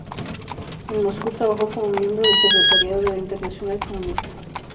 En Moscú trabajó como miembro del secretariado de la Internacional Comunista.